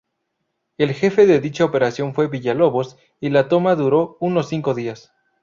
El jefe de dicha operación fue Villalobos y la toma duró unos cinco días.